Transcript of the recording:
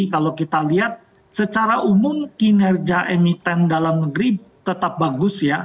kalau kita lihat secara umum kinerja emiten dalam negeri tetap bagus ya